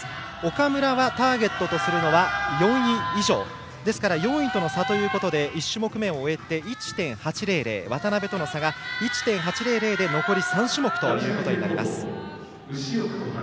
岡村はターゲットとするのは４位以上なので４位との差は１種目めを終えて渡部との差が１．８００で残り３種目となります。